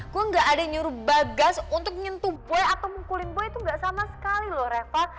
gue ga ada yang nyuruh bagas untuk nyentuh boy atau ngukulin boy itu ga sama sekali loh reva